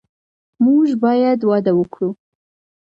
موږ باید وده ورکړو.